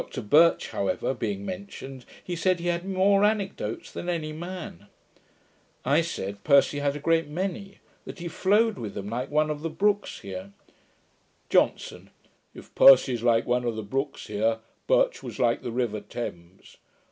Dr Birch, however, being mentioned, he said, he had more anecdotes than any man. I said, Percy had a great many; that he flowed with them like one of the brooks here. JOHNSON. 'If Percy is like one of the brooks here. Birch was like the river Thames.